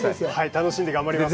楽しんで頑張ります。